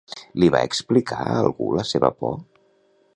Li va explicar a algú la seva por?